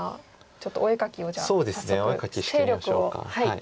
ちょっとお絵描きをじゃあ早速勢力をお願いします。